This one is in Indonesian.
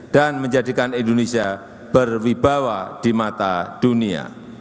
dan menjadikan indonesia berwibawa di mata dunia